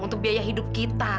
untuk biaya hidup kita